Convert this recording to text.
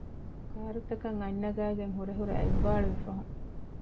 ކާރުތަކަށް އަތް ނަގައިގެން ހުރެ ހުރެ އަތް ވާޅުވި ފަހުން